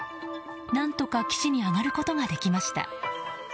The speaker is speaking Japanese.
何とか岸に上がることができました。